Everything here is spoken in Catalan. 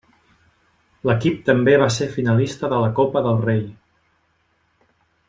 L'equip també va ser finalista de la Copa del Rei.